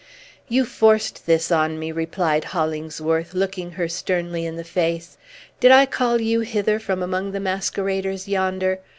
"You forced this on me," replied Hollingsworth, looking her sternly in the face. "Did I call you hither from among the masqueraders yonder?